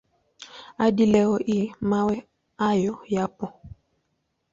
Hadi leo hii mawe hayo yapo.